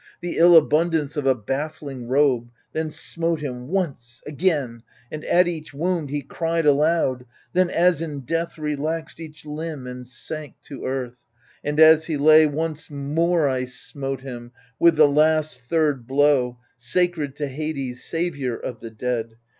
The ill abundance of a baffling robe ; Then smote him, once, again — and at each wound He cried aloud, then as in death relaxed Each limb and sank to earth ; and as he lay. Once more I smote him, with the last third blow, Sacred to Hades, saviour of the dead.